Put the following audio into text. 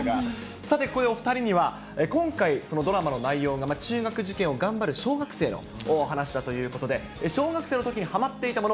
さてここでお２人には、今回、そのドラマの内容が、中学受験を頑張る小学生のお話だということで、小学生のときにはまっていたもの